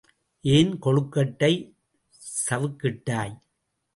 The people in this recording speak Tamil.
ஏன் கொழுக்கட்டை சவுக்கிட்டாய்?